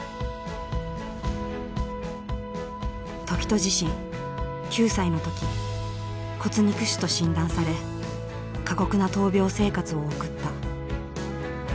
凱人自身９歳の時骨肉腫と診断され過酷な闘病生活を送った。